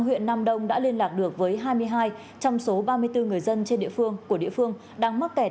huyện nam đông đã liên lạc được với hai mươi hai trong số ba mươi bốn người dân trên địa phương của địa phương đang mắc kẹt